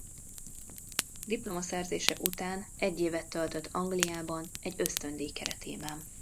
Diplomaszerzése után egy évet töltött Angliában egy ösztöndíj keretében.